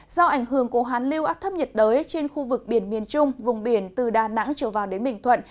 do ảnh hưởng của hán lưu áp thấp nhiệt đới trên khu vực biển miền trung vùng biển từ đà nẵng trở vào đến bình thuận